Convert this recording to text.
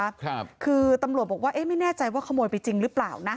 ครับคือตำรวจบอกว่าเอ๊ะไม่แน่ใจว่าขโมยไปจริงหรือเปล่านะ